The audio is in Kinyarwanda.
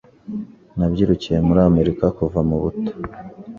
Nabyirukiye muri Amerika kuva mubuto